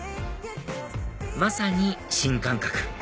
まさに新感覚！